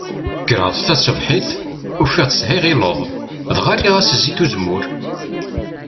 Kreɣ-d taṣebḥit ufiɣ-d sɛiɣ illeḍ, dɣa erriɣ-as zzit uzemmur.